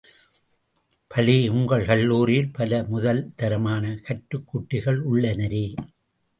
பலே, உங்கள் கல்லூரியில், பல, முதல்தரமான கற்றுக் குட்டிகள் உள்ளனரே!